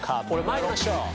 参りましょう。